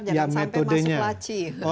jangan sampai masuk laci